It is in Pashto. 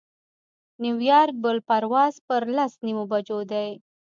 د نیویارک بل پرواز پر لس نیمو بجو دی.